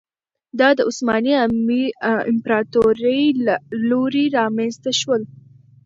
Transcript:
دا د عثماني امپراتورۍ له لوري رامنځته شول.